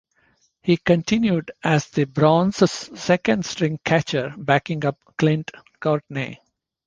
He continued as the Browns' second string catcher backing up Clint Courtney.